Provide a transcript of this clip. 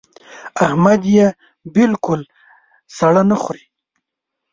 احمد يې بالکل سړه نه خوري.